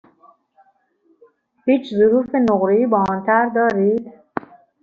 هیچ ظروف نقره ای با آن طرح دارید؟